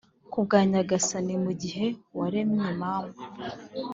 kubwa nyagasani. mugihe waremye mama,